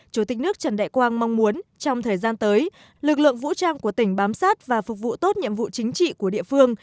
chủ tịch nước trần đại quang mong muốn trong thời gian tới lực lượng vũ trang của tỉnh bám sát và phục vụ tốt nhiệm vụ chính trị của địa phương